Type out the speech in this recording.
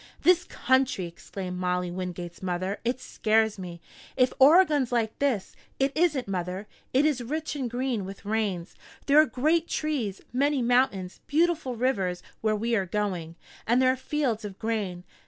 "This country!" exclaimed Molly Wingate's mother. "It scares me! If Oregon's like this " "It isn't, mother. It is rich and green, with rains. There are great trees, many mountains, beautiful rivers where we are going, and there are fields of grain.